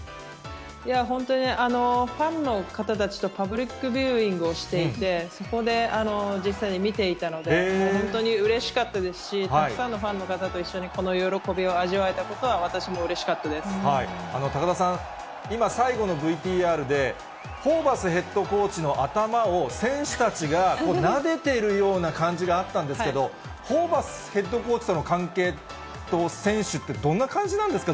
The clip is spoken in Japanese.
本当にファンの方たちとパブリックビューイングをしていて、そこで実際に見ていたので、本当にうれしかったですし、たくさんのファンの方と一緒に、この喜びを味わえたことは、高田さん、今、最後のＶＴＲで、ホーバスヘッドコーチの頭を選手たちがなでているような感じがあったんですけれども、ホーバスヘッドコーチとの関係と、選手ってどんな感じなんですか？